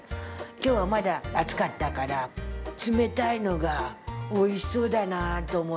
今日はまだ暑かったから冷たいのが美味しそうだなと思って。